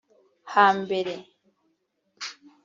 Hambere